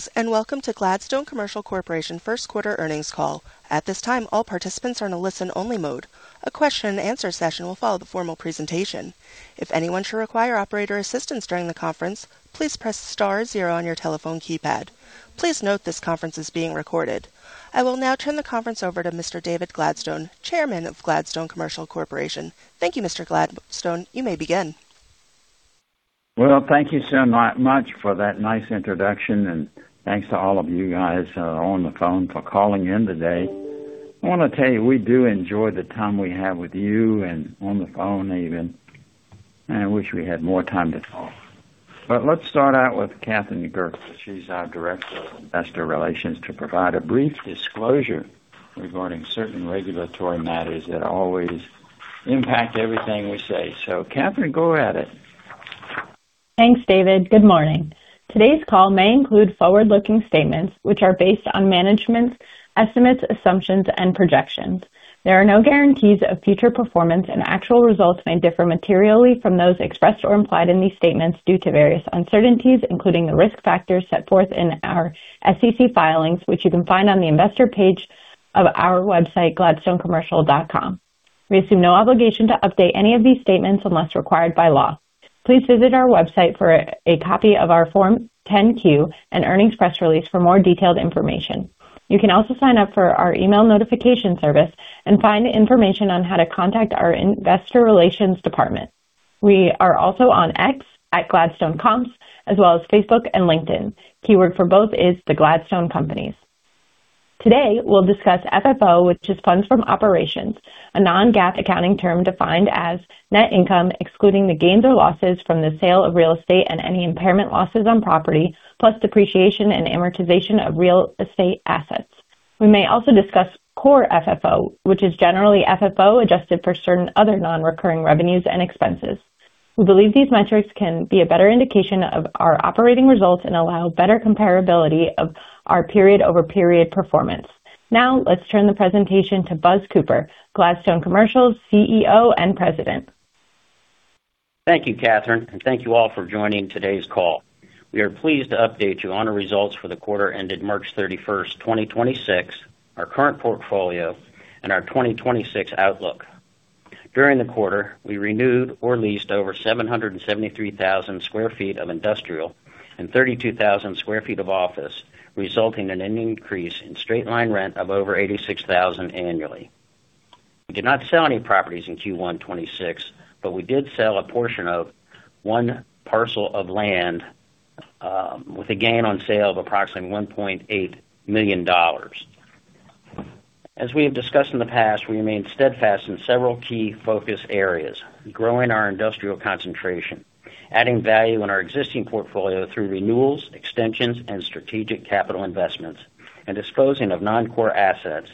Thanks, and welcome to Gladstone Commercial Corporation first quarter earnings call. I will now turn the conference over to Mr. David Gladstone, Chairman of Gladstone Commercial Corporation. Thank you, Mr. Gladstone. You may begin. Well, thank you so much for that nice introduction. Thanks to all of you guys on the phone for calling in today. I wanna tell you, we do enjoy the time we have with you and on the phone even. I wish we had more time to talk. Let's start out with Catherine Gerkis, she's our Director of Investor Relations, to provide a brief disclosure regarding certain regulatory matters that always impact everything we say. Catherine, go at it. Thanks, David. Good morning. Today's call may include forward-looking statements which are based on management's estimates, assumptions, and projections. There are no guarantees of future performance, and actual results may differ materially from those expressed or implied in these statements due to various uncertainties, including the risk factors set forth in our SEC filings, which you can find on the investor page of our website, www.gladstonecommercial.com. We assume no obligation to update any of these statements unless required by law. Please visit our website for a copy of our Form 10-Q and earnings press release for more detailed information. You can also sign up for our email notification service and find information on how to contact our investor relations department. We are also on X @gladstonecomps, as well as Facebook and LinkedIn. Keyword for both is The Gladstone Companies. Today, we'll discuss FFO, which is Funds From Operations, a non-GAAP accounting term defined as net income, excluding the gains or losses from the sale of real estate and any impairment losses on property, plus depreciation and amortization of real estate assets. We may also discuss Core FFO, which is generally FFO adjusted for certain other non-recurring revenues and expenses. We believe these metrics can be a better indication of our operating results and allow better comparability of our period-over-period performance. Now, let's turn the presentation to Arthur Cooper, Gladstone Commercial's CEO and President. Thank you, Catherine, thank you all for joining today's call. We are pleased to update you on our results for the quarter ended March 31st, 2026, our current portfolio, and our 2026 outlook. During the quarter, we renewed or leased over 773,000 sq ft of industrial and 32,000 sq ft of office, resulting in an increase in straight-line rent of over $86,000 annually. We did not sell any properties in Q1 2026, but we did sell a portion of one parcel of land with a gain on sale of approximately $1.8 million. As we have discussed in the past, we remain steadfast in several key focus areas, growing our industrial concentration, adding value in our existing portfolio through renewals, extensions, and strategic capital investments, and disposing of non-core assets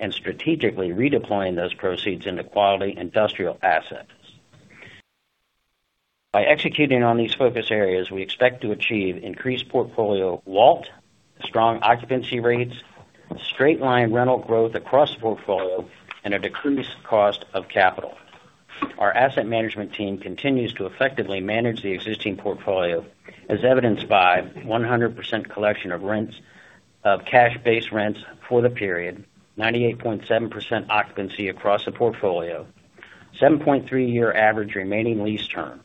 and strategically redeploying those proceeds into quality industrial assets. By executing on these focus areas, we expect to achieve increased portfolio WALT, strong occupancy rates, straight-line rental growth across the portfolio, and a decreased cost of capital. Our asset management team continues to effectively manage the existing portfolio, as evidenced by 100% collection of cash-based rents for the period, 98.7% occupancy across the portfolio, 7.3-year average remaining lease term.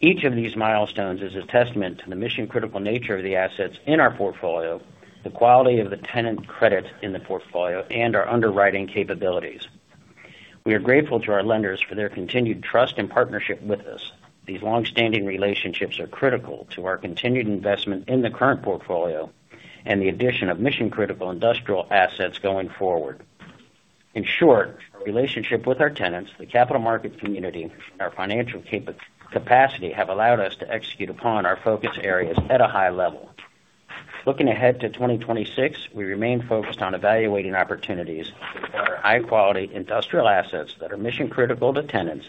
Each of these milestones is a testament to the mission-critical nature of the assets in our portfolio, the quality of the tenant credit in the portfolio, and our underwriting capabilities. We are grateful to our lenders for their continued trust and partnership with us. These long-standing relationships are critical to our continued investment in the current portfolio and the addition of mission-critical industrial assets going forward. In short, our relationship with our tenants, the capital markets community, and our financial capacity have allowed us to execute upon our focus areas at a high level. Looking ahead to 2026, we remain focused on evaluating opportunities that are high-quality industrial assets that are mission-critical to tenants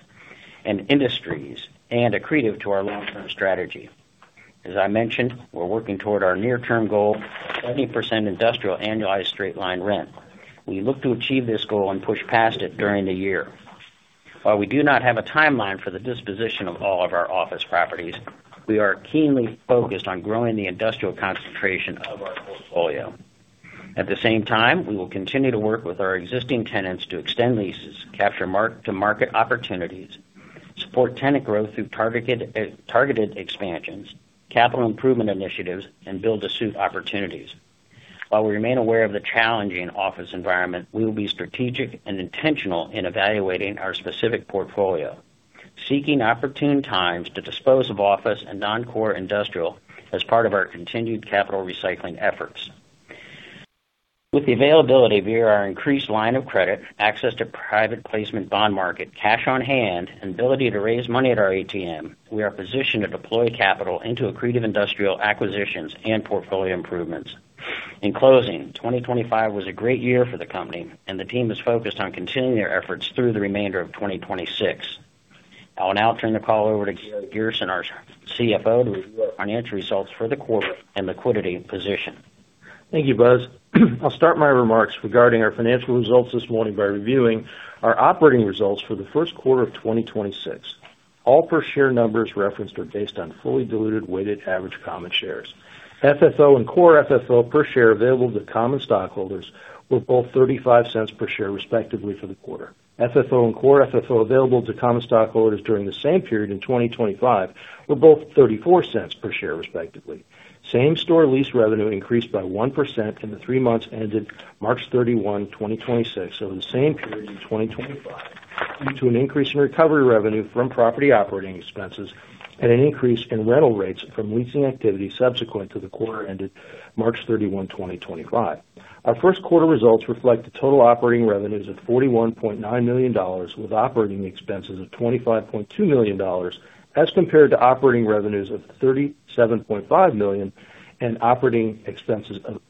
and industries and accretive to our long-term strategy. As I mentioned, we're working toward our near-term goal of 20% industrial annualized straight-line rent. We look to achieve this goal and push past it during the year. While we do not have a timeline for the disposition of all of our office properties, we are keenly focused on growing the industrial concentration of our portfolio. At the same time, we will continue to work with our existing tenants to extend leases, capture mark-to-market opportunities, support tenant growth through targeted expansions, capital improvement initiatives, and build-to-suit opportunities. While we remain aware of the challenging office environment, we will be strategic and intentional in evaluating our specific portfolio, seeking opportune times to dispose of office and non-core industrial as part of our continued capital recycling efforts. With the availability via our increased line of credit, access to private placement bond market, cash on hand, and ability to raise money at our ATM, we are positioned to deploy capital into accretive industrial acquisitions and portfolio improvements. In closing, 2025 was a great year for the company, and the team is focused on continuing their efforts through the remainder of 2026. I will now turn the call over to Gary Gerson, our CFO, to review our financial results for the quarter and liquidity position. Thank you, Buzz. I'll start my remarks regarding our financial results this morning by reviewing our operating results for the 1st quarter of 2026. All per share numbers referenced are based on fully diluted weighted average common shares. FFO and Core FFO per share available to common stockholders were both $0.35 per share respectively for the quarter. FFO and Core FFO available to common stockholders during the same period in 2025 were both $0.34 per share respectively. Same-store lease revenue increased by 1% in the three months ended March 31, 2026 over the same period in 2025, due to an increase in recovery revenue from property operating expenses and an increase in rental rates from leasing activity subsequent to the quarter ended March 31, 2025. Our first quarter results reflect the total operating revenues of $41.9 million, with operating expenses of $25.2 million, as compared to operating revenues of $37.5 million and operating expenses of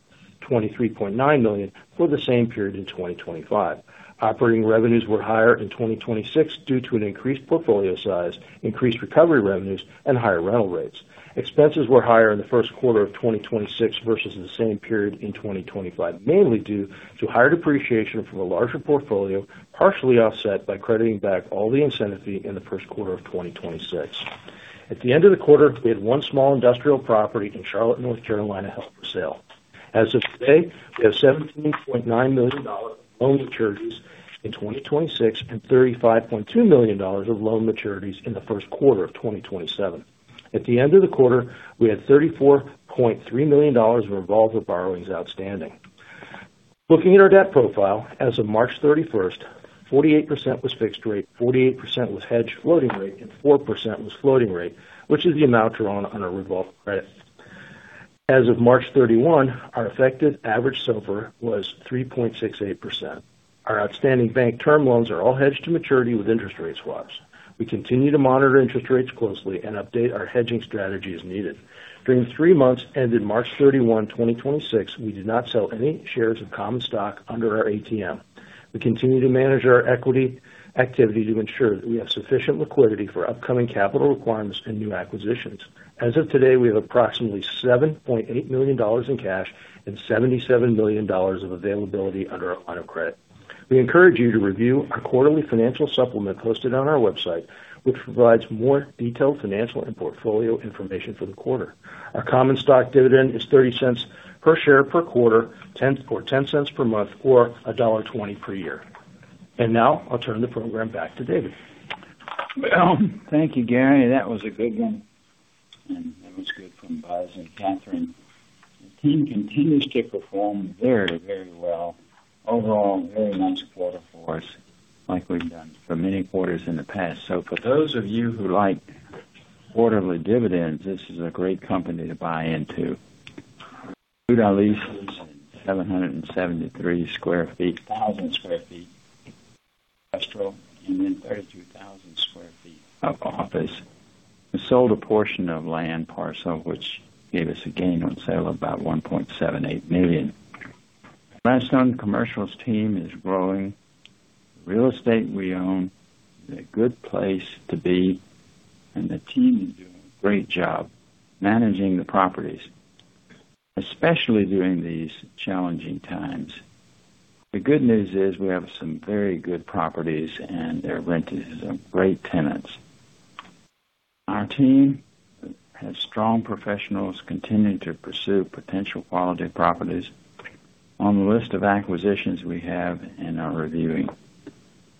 $23.9 million for the same period in 2025. Operating revenues were higher in 2026 due to an increased portfolio size, increased recovery revenues, and higher rental rates. Expenses were higher in the first quarter of 2026 versus the same period in 2025, mainly due to higher depreciation from a larger portfolio, partially offset by crediting back all the incentive fee in the first quarter of 2026. At the end of the quarter, we had one small industrial property in Charlotte, North Carolina, held for sale. As of today, we have $17.9 million loan maturities in 2026 and $35.2 million of loan maturities in the first quarter of 2027. At the end of the quarter, we had $34.3 million of revolving borrowings outstanding. Looking at our debt profile, as of March 31st, 48% was fixed rate, 48% was hedged floating rate, and 4% was floating rate, which is the amount drawn on our revolving credit. As of March 31, our effective average SOFR was 3.68%. Our outstanding bank term loans are all hedged to maturity with interest rate swaps. We continue to monitor interest rates closely and update our hedging strategy as needed. During the three months ended March 31, 2026, we did not sell any shares of common stock under our ATM. We continue to manage our equity activity to ensure that we have sufficient liquidity for upcoming capital requirements and new acquisitions. As of today, we have approximately $7.8 million in cash and $77 million of availability under our line of credit. We encourage you to review our quarterly financial supplement posted on our website, which provides more detailed financial and portfolio information for the quarter. Our common stock dividend is $0.30 per share per quarter, or $0.10 per month or $1.20 per year. Now I'll turn the program back to David. Well, thank you, Gary. That was a good one. That was good from Arthur Cooper and Catherine Gerkis. The team continues to perform very, very well. Overall, very nice quarter for us, like we've done for many quarters in the past. For those of you who like quarterly dividends, this is a great company to buy into. [Food Ale's], 773 sq ft. 1,000 sq ft industrial, and then 32,000 sq ft of office. We sold a portion of land parcel, which gave us a gain on sale of about $1.78 million. Gladstone Commercial's team is growing. The real estate we own is in a good place to be, and the team is doing a great job managing the properties, especially during these challenging times. The good news is we have some very good properties, and they're rented to some great tenants. Our team has strong professionals continuing to pursue potential quality properties on the list of acquisitions we have and are reviewing.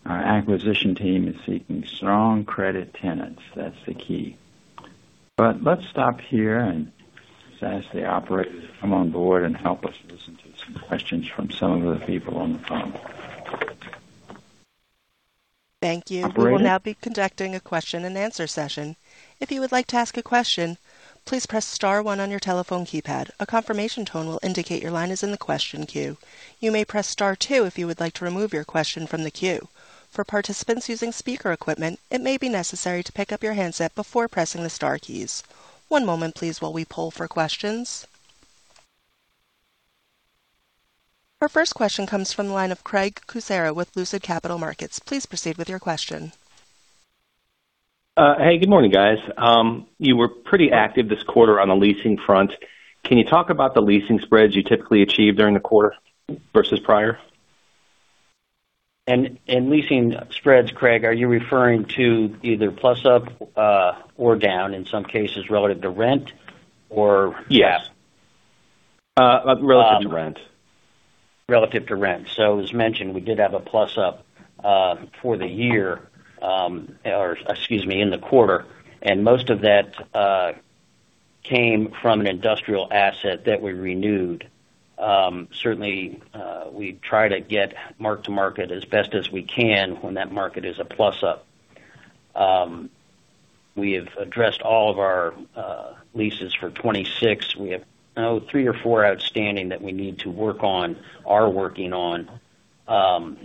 Our acquisition team is seeking strong credit tenants. That's the key. Let's stop here and just ask the operator to come on board and help us listen to some questions from some of the people on the phone. Thank you. Operator. Our first question comes from the line of Craig Kucera with Lucid Capital Markets. Please proceed with your question. Hey, good morning, guys. You were pretty active this quarter on the leasing front. Can you talk about the leasing spreads you typically achieve during the quarter versus prior? Leasing spreads, Craig, are you referring to either plus up or down in some cases relative to rent or? Yes. Relative to rent. Relative to rent. As mentioned, we did have a plus-up for the year, or excuse me, in the quarter, and most of that came from an industrial asset that we renewed. Certainly, we try to get mark-to-market as best as we can when that market is a plus-up. We have addressed all of our leases for 26. We have three or four outstanding that we need to work on, are working on.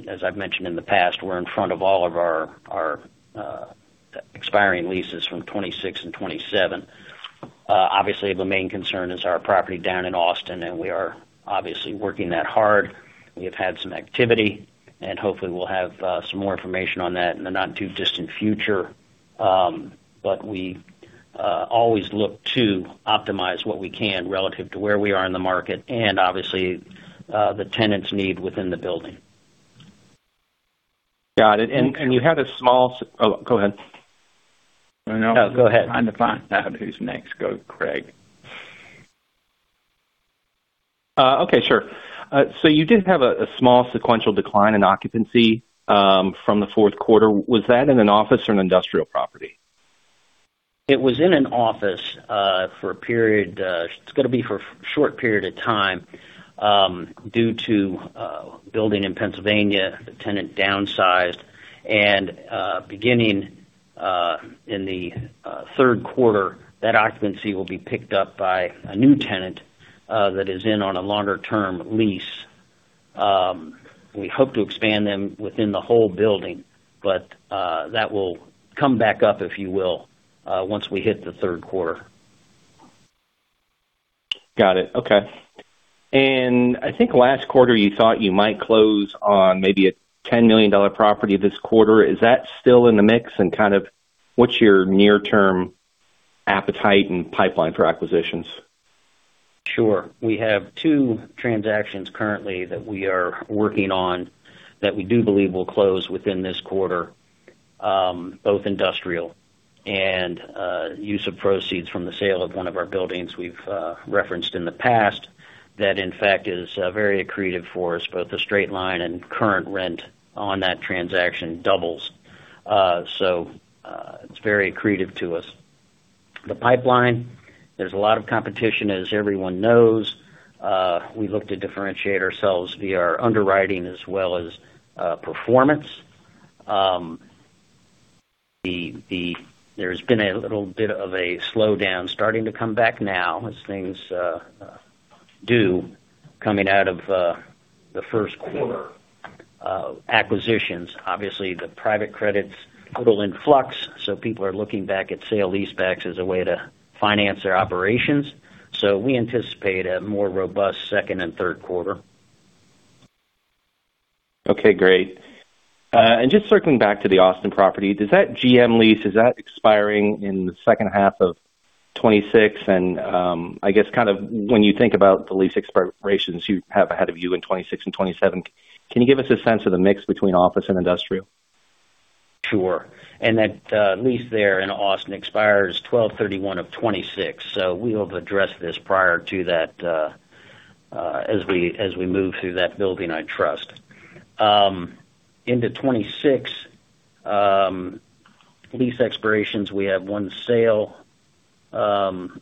As I've mentioned in the past, we're in front of all of our expiring leases from 26 and 27. Obviously, the main concern is our property down in Austin, and we are obviously working that hard. We have had some activity, and hopefully, we'll have some more information on that in the not-too-distant future. always look to optimize what we can relative to where we are in the market and obviously, the tenant's need within the building. Got it. Oh, go ahead. No, go ahead. Trying to find out who's next. Go Craig. Okay, sure. You did have a small sequential decline in occupancy from the fourth quarter. Was that in an office or an industrial property? It was in an office for a period, it's going to be for a short period of time, due to building in Pennsylvania, the tenant downsized. Beginning in the third quarter, that occupancy will be picked up by a new tenant that is in on a longer-term lease. We hope to expand them within the whole building, that will come back up, if you will, once we hit the third quarter. Got it. Okay. I think last quarter you thought you might close on maybe a $10 million property this quarter. Is that still in the mix? Kind of what's your near-term appetite and pipeline for acquisitions? Sure. We have two transactions currently that we are working on that we do believe will close within this quarter, both industrial. Use of proceeds from the sale of one of our buildings we've referenced in the past that in fact is very accretive for us, both the straight line and current rent on that transaction doubles. It's very accretive to us. We look to differentiate ourselves via our underwriting as well as performance. There's been a little bit of a slowdown starting to come back now as things do coming out of the first quarter. Acquisitions, obviously the private credit's a little in flux, so people are looking back at sale-leasebacks as a way to finance their operations. We anticipate a more robust second and third quarter. Okay, great. Just circling back to the Austin property, does that GM lease, is that expiring in the second half of 2026? I guess kind of when you think about the lease expirations you have ahead of you in 2026 and 2027, can you give us a sense of the mix between office and industrial? Sure. That lease there in Austin expires 12/31/2026. We will address this prior to that, as we move through that building, I trust. Into 2026 lease expirations, we have one sale that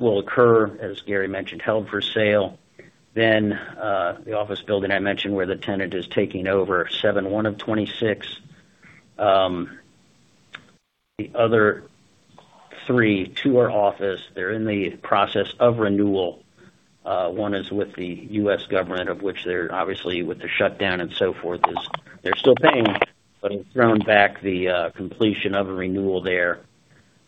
will occur, as Gary mentioned, held for sale. The office building I mentioned where the tenant is taking over 7/1/2026. The other three, two are office. They're in the process of renewal. One is with the U.S. Government, of which they're obviously with the shutdown and so forth, is they're still paying, but it's thrown back the completion of a renewal there.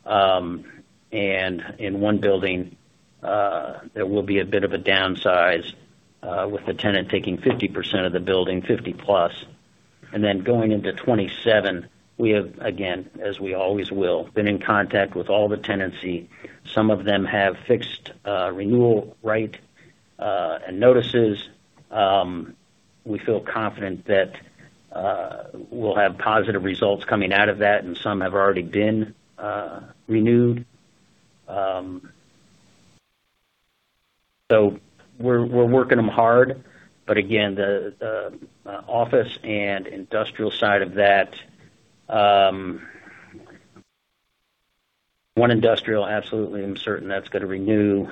In one building, there will be a bit of a downsize, with the tenant taking 50% of the building, 50+. Going into 2027, we have, again, as we always will, been in contact with all the tenancy. Some of them have fixed renewal right and notices. We feel confident that we'll have positive results coming out of that, and some have already been renewed. We're, we're working them hard. Again, the office and industrial side of that, one industrial, absolutely I'm certain that's gonna renew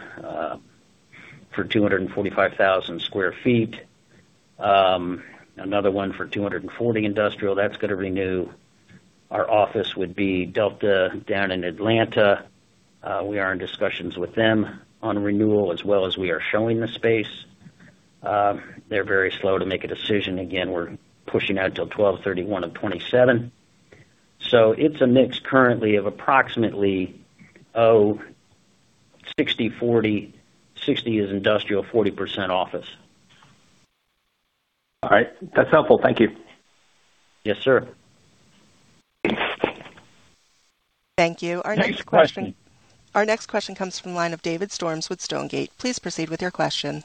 for 245,000 sq ft. Another one for 240 industrial, that's gonna renew. Our office would be Delta down in Atlanta. We are in discussions with them on renewal as well as we are showing the space. They're very slow to make a decision. Again, we're pushing out till 12/31/2027. It's a mix currently of approximately, 60, 40. 60 is industrial, 40% office. All right. That's helpful. Thank you. Yes, sir. Thank you. Next question. Our next question comes from the line of David Storms with Stonegate. Please proceed with your question.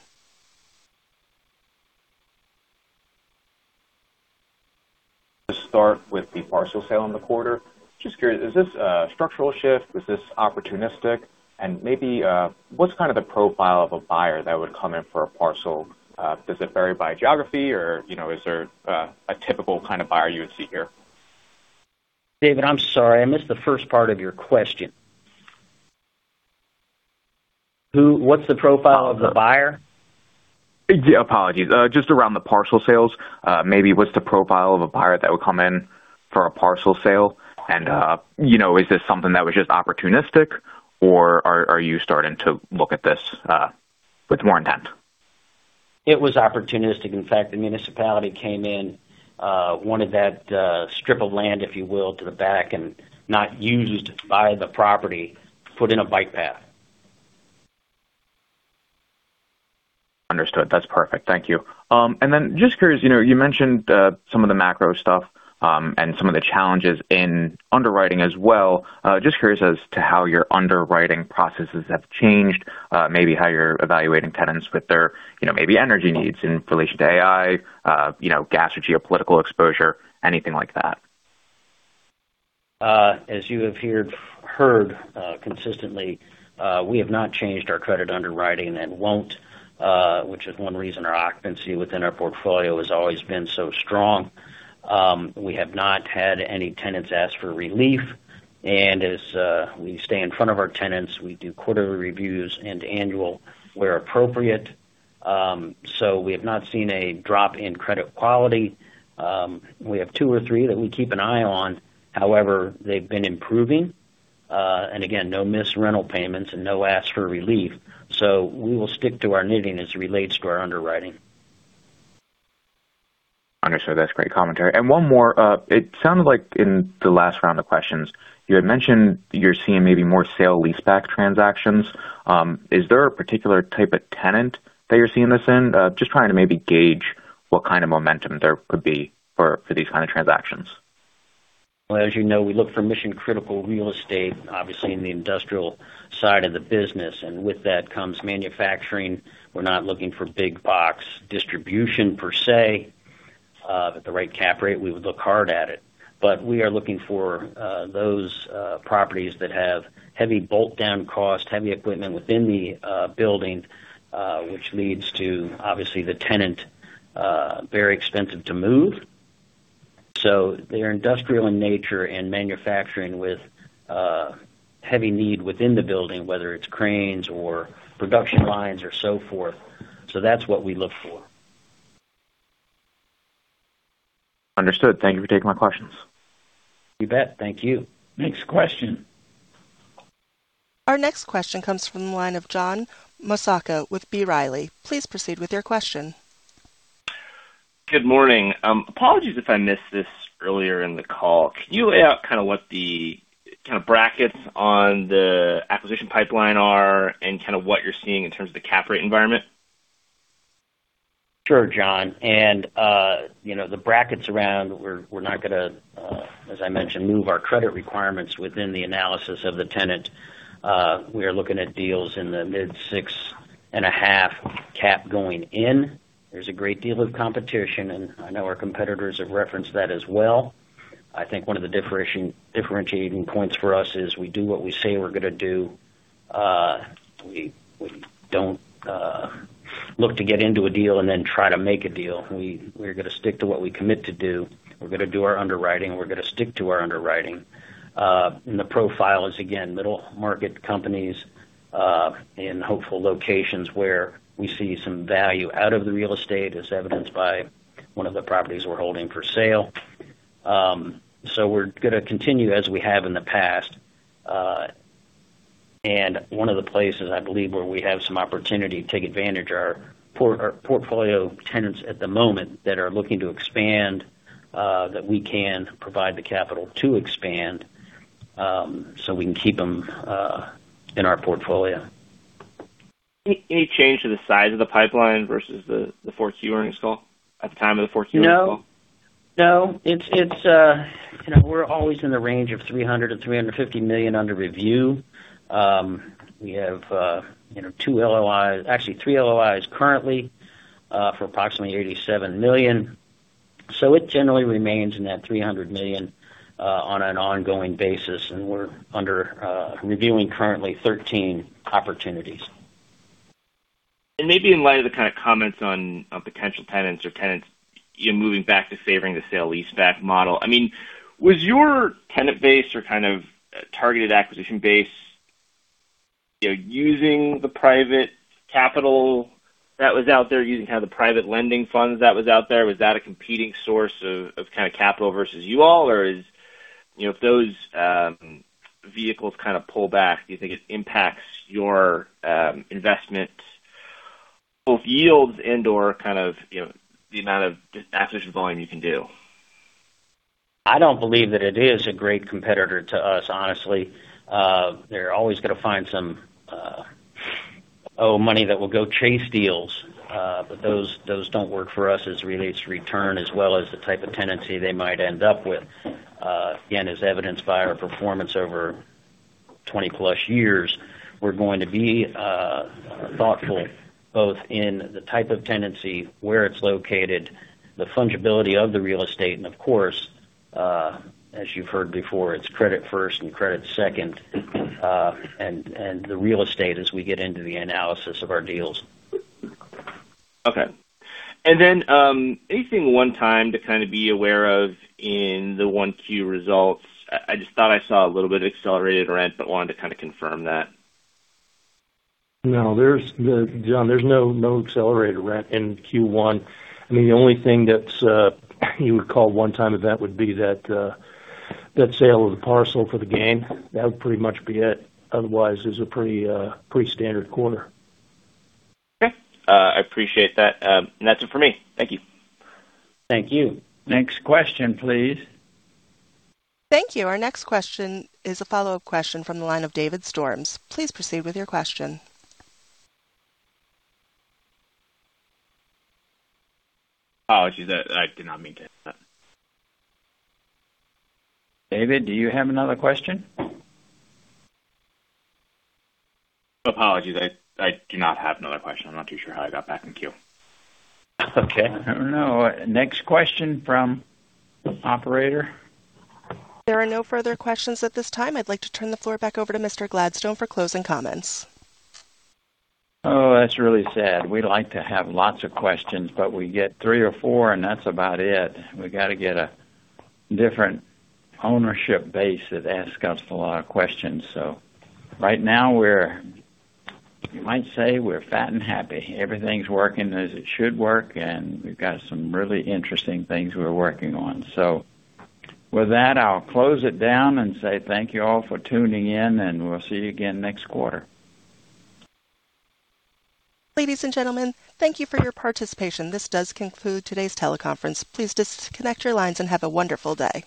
To start with the parcel sale in the quarter, just curious, is this a structural shift? Is this opportunistic? Maybe, what's kind of the profile of a buyer that would come in for a parcel? Does it vary by geography or, you know, is there a typical kind of buyer you would see here? David, I'm sorry, I missed the first part of your question. What's the profile of the buyer? Yeah, apologies. Just around the parcel sales, maybe what's the profile of a buyer that would come in for a parcel sale? You know, is this something that was just opportunistic or are you starting to look at this with more intent? It was opportunistic. In fact, the municipality came in, wanted that strip of land, if you will, to the back and not used by the property, put in a bike path Understood. That's perfect. Thank you. Just curious, you know, you mentioned some of the macro stuff, and some of the challenges in underwriting as well. Just curious as to how your underwriting processes have changed, maybe how you're evaluating tenants with their, you know, maybe energy needs in relation to AI, you know, gas or geopolitical exposure, anything like that. As you have heard, consistently, we have not changed our credit underwriting and won't, which is one reason our occupancy within our portfolio has always been so strong. We have not had any tenants ask for relief. As we stay in front of our tenants, we do quarterly reviews and annual where appropriate. We have not seen a drop in credit quality. We have two or three that we keep an eye on. However, they've been improving. Again, no missed rental payments and no ask for relief. We will stick to our knitting as it relates to our underwriting. Understood. That's great commentary. One more. It sounded like in the last round of questions, you had mentioned you're seeing maybe more sale leaseback transactions. Is there a particular type of tenant that you're seeing this in? Just trying to maybe gauge what kind of momentum there could be for these kind of transactions. As you know, we look for mission-critical real estate, obviously in the industrial side of the business, and with that comes manufacturing. We're not looking for big box distribution per se. The right cap rate, we would look hard at it. We are looking for those properties that have heavy bolt down cost, heavy equipment within the building, which leads to obviously the tenant, very expensive to move. They're industrial in nature and manufacturing with heavy need within the building, whether it's cranes or production lines or so forth. That's what we look for. Understood. Thank you for taking my questions. You bet. Thank you. Next question. Our next question comes from the line of John Massocca with B. Riley. Please proceed with your question. Good morning. Apologies if I missed this earlier in the call. Can you lay out kind of what the brackets on the acquisition pipeline are and kind of what you're seeing in terms of the cap rate environment? Sure, John. You know, the brackets around we're not gonna, as I mentioned, move our credit requirements within the analysis of the tenant. We are looking at deals in the mid 6.5% cap going in. There's a great deal of competition, and I know our competitors have referenced that as well. I think one of the differentiating points for us is we do what we say we're gonna do. We, we don't look to get into a deal and then try to make a deal. We, we're gonna stick to what we commit to do. We're gonna do our underwriting. We're gonna stick to our underwriting. The profile is again, middle market companies, in hopeful locations where we see some value out of the real estate as evidenced by one of the properties we're holding for sale. We're gonna continue as we have in the past. One of the places I believe, where we have some opportunity to take advantage are our portfolio tenants at the moment that are looking to expand, that we can provide the capital to expand, so we can keep them in our portfolio. Any change to the size of the pipeline versus the fourth Q earnings call at the time of the fourth Q earnings call? No, it's, you know, we're always in the range of $300 million-$350 million under review. We have, you know, two LOIs, actually three LOIs currently, for approximately $87 million. It generally remains in that $300 million on an ongoing basis. We're under reviewing currently 13 opportunities. Maybe in light of the kind of comments on potential tenants or tenants, you know, moving back to favoring the sale leaseback model. I mean, was your tenant base or kind of targeted acquisition base, you know, using the private capital that was out there, using kind of the private lending funds that was out there? Was that a competing source of kind of capital versus you all? Or is, you know, if those vehicles kind of pull back, do you think it impacts your investment, both yields and/or kind of, you know, the amount of acquisition volume you can do? I don't believe that it is a great competitor to us, honestly. They're always gonna find some money that will go chase deals. Those don't work for us as it relates to return as well as the type of tenancy they might end up with. Again, as evidenced by our performance over 20+ years, we're going to be thoughtful both in the type of tenancy, where it's located, the fungibility of the real estate. Of course, as you've heard before, it's credit first and credit second, and the real estate as we get into the analysis of our deals. Okay. Anything one-time to kind of be aware of in the 1Q results? I just thought I saw a little bit of accelerated rent, but wanted to kind of confirm that. No, John, there's no accelerated rent in Q1. I mean, the only thing that's, you would call a one-time event would be that sale of the parcel for the gain. That would pretty much be it. Otherwise, it was a pretty standard quarter. Okay. I appreciate that. That's it for me. Thank you. Thank you. Next question, please. Thank you. Our next question is a follow-up question from the line of David Storms. Please proceed with your question. Apologies. I did not mean to hit that. David, do you have another question? Apologies. I do not have another question. I'm not too sure how I got back in queue. That's okay. I don't know. Next question from operator. There are no further questions at this time. I'd like to turn the floor back over to Mr. Gladstone for closing comments. Oh, that's really sad. We like to have lots of questions, but we get three or four, and that's about it. We got to get a different ownership base that asks us a lot of questions. Right now you might say we're fat and happy. Everything's working as it should work, and we've got some really interesting things we're working on. With that, I'll close it down and say thank you all for tuning in, and we'll see you again next quarter. Ladies and gentlemen, thank you for your participation. This does conclude today's teleconference. Please disconnect your lines and have a wonderful day.